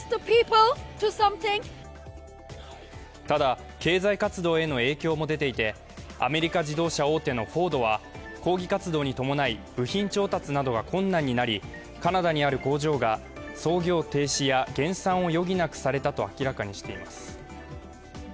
ただ、経済活動への影響も出ていてアメリカ自動車大手のフォードは抗議活動に伴い部品調達などが困難になり、カナダにある工場が操業停止や減産を余儀なくされたと明らかにしています。